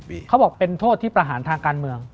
มีทั้งโทษที่ประหารทางการเมือง